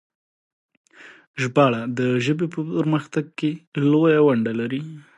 ژباړه د ژبې په پرمختګ کې لويه ونډه لري.